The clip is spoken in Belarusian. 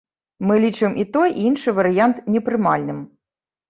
Мы лічым і той, і іншы варыянт непрымальным.